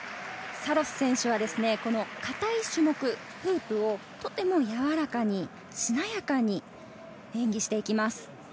サロス選手はこの硬い種目、フープをとてもやわらかに、しなやかに演技していきます。